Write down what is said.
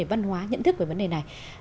vấn đề văn hóa nhận thức về vấn đề này